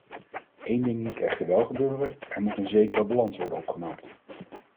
Een ding moet echter wel gebeuren: er moet een zekere balans worden opgemaakt.